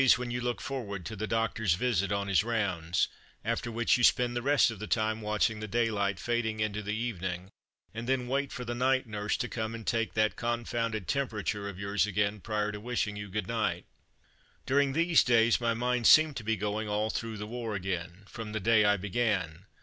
c c r • Begins in Hospital 3 you look forward to the doctor's visit on his rounds, after which you spend the rest of the time watching the daylight fading into the evening, and then wait for the night nurse to come and take that Jfj^ confound ed '\ f\ temperature v ^ of yours again "^ prior to wishing Aa you good night. During these days my mind ^^^^^ seemed to be go ^^^^^^^ S Truth ing all through the war again, from the day I began.